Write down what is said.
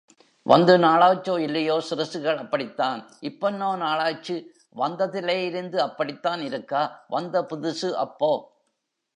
வந்து நாளாச்சோ இல்லையோ சிறிசுகள் அப்படித்தான். இப்பொன்னா நாளாச்சு வந்ததிலேருந்து அப்படித்தான் இருக்கா வந்த புதிசு அப்போ.